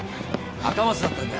赤松だったんだ。